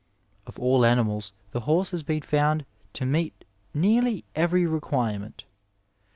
Of all animals the horse has been found to meet nearly every requirement.